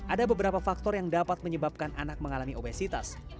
ada beberapa faktor yang dapat menyebabkan anak mengalami obesitas